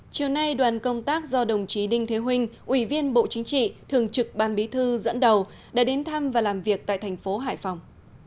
chiều nay đoàn công tác do đồng chí đinh thế huynh ủy viên bộ chính trị thường trực ban bí thư dẫn đầu đã đến thăm và làm việc tại thành phố hải phòng